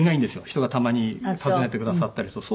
人がたまに訪ねてくださったりすると。